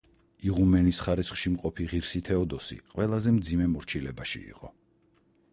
იღუმენის ხარისხში მყოფი ღირსი თეოდოსი ყველაზე მძიმე მორჩილებაში იყო.